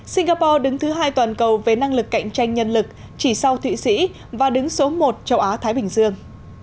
singapore đứng thứ hai toàn cầu về năng lực cạnh tranh nhân lực chỉ sau thụy sĩ và đứng số một châu á thái bình dương